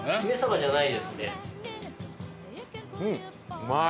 うまい。